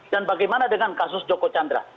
dan bagaimana dengan kasus joko chandra